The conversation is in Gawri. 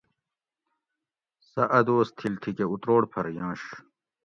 سہ اۤ دوس تھیل تھی کہ اتروڑ پھر یانش